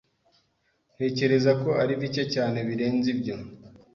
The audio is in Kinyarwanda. Ntekereza ko ari bike cyane birenze ibyo.